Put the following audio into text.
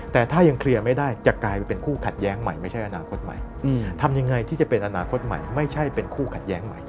แต่ถ้ายังเคลียร์ไม่ได้จะกลายเป็นคู่ขัดแย้งใหม่ไม่ใช่อนาคตใหม่ทำยังไงที่จะเป็นอนาคตใหม่ไม่ใช่เป็นคู่ขัดแย้งใหม่